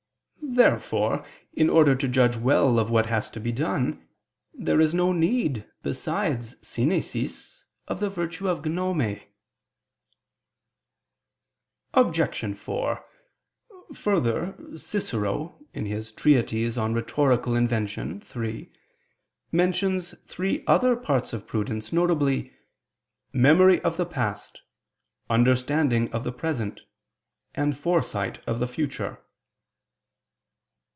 Therefore, in order to judge well of what has to be done, there is no need, besides synesis, of the virtue of gnome. Obj. 4: Further, Cicero (De Invent. Rhet. iii) mentions three other parts of prudence; viz. "memory of the past, understanding of the present, and foresight of the future."